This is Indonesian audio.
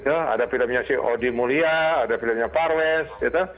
ada filmnya si odi mulya ada filmnya parwes